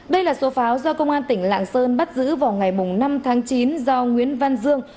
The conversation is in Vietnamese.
đây là số pháo do công an tỉnh lạng sơn bắt giữ vào ngày năm tháng chín do nguyễn văn dương